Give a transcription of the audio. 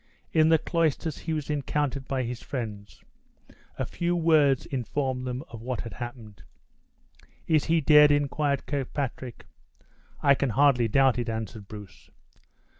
In the cloisters he was encountered by his friends. A few words informed them of what had happened. "Is he dead?" inquired Kirkpatrick. "I can hardly doubt it," answered Bruce.